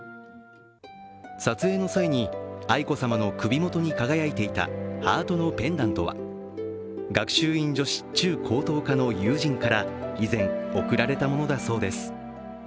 撮影の際に愛子さまの首元に輝いていたハートのペンダントは学習院女子中・高等科の友人から以前、贈られたものだそうです。